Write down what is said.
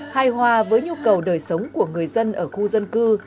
hai hoa với nhu cầu đời sống của người dân ở khu dân cư